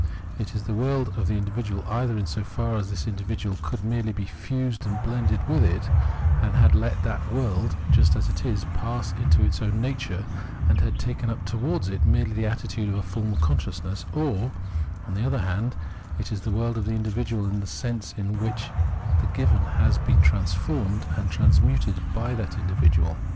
It is the world of the individual either in so far as this individual could be merely fused and blended with it, had let that world, just as it is, pass into its own nature, and had taken up towards it merely the attitude of a formal consciousness ; or, on the other hand, it is the world of the individual in the sense in which the given has been transformed and transmuted by that individual.